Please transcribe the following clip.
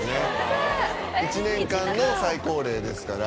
一年間の最高齢ですから。